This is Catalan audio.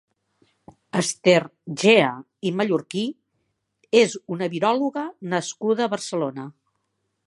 Ester Gea i Mallorquí és una viròloga nascuda a Barcelona.